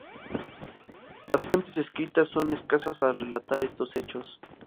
Las fuentes escritas son escasas al relatar estos hechos.